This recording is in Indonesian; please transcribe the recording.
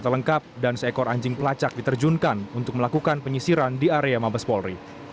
lengkap dan seekor anjing pelacak diterjunkan untuk melakukan penyisiran di area mabes polri